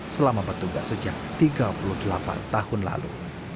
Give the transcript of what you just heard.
selama bertugas sejak tiga puluh delapan tahun lalu